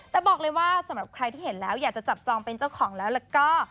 แต่บอกเลยว่าสำหรับใครที่เห็นแล้วอยากจะจับจองเป็นเจ้าของแล้วแล้วก็